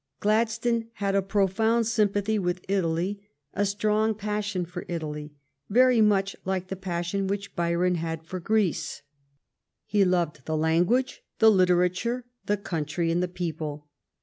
Gladstone had a profound sympathy with Italy — a strong passion for Italy — very much like the passion which Byron had for Greece. He loved the language, the literature, the country, and the people.